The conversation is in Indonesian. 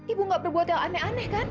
ibu gak berbuat yang aneh aneh kan